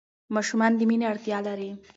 ماشومان د مینې اړتیا لري.